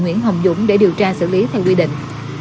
nguyễn hồng dũng để điều tra xử lý theo quy định